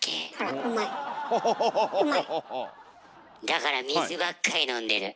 だから水ばっかり飲んでる。